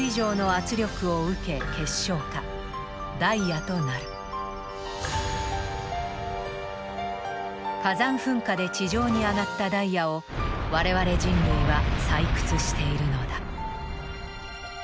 マントルに存在する火山噴火で地上に上がったダイヤを我々人類は採掘しているのだ。